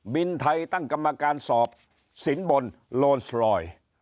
บินไทยตั้งกรรมการสอบสินบนโลนสรอย